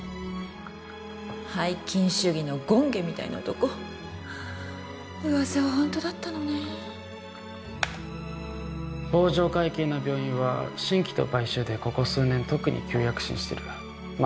拝金主義の権化みたいな男噂はホントだったのね坊城会系の病院は新規と買収でここ数年特に急躍進してるまあ